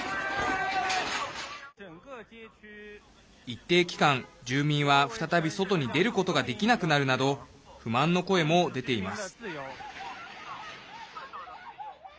一定期間、住民は再び外に出ることができなくなるなど不満の声も出ています。